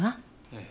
ええ。